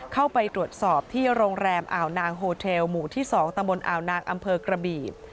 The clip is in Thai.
เข้าไปตรวจสอบที่โรงแรมอ่าวนางโฮเทลหมู่ที่๒ตำบลอ่าวนางอำเภอกระบี่